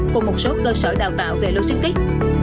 cùng một số cơ sở đào tạo về logistics